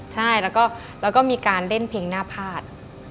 ใช่แล้วก็มีการเล่นเพลงหน้าพาด